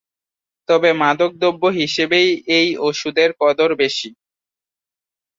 তবে মাদকদ্রব্য হিসেবেই এই ঔষধের কদর বেশি।